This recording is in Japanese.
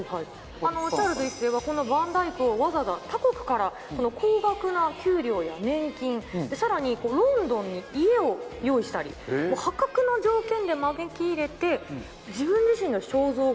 チャールズ１世はこのヴァン・ダイクをわざわざ他国から高額な給料や年金さらにロンドンに家を用意したり破格な条件で招き入れて。